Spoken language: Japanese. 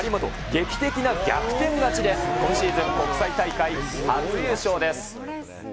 劇的な逆転勝ちで今シーズン、国際大会初優勝です。